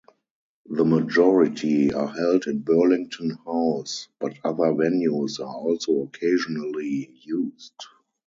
The majority are held in Burlington House, but other venues are also occasionally used.